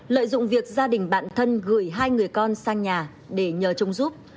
lợi dụng việc gia đình bạn thân gửi hai người con sang nhà để nhờ trông giúp